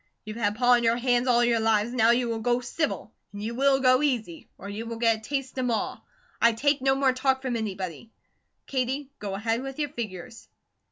You've had Pa on your hands all your lives, now you will go civil, and you will go easy, or you will get a taste of Ma. I take no more talk from anybody. Katie, go ahead with your figures."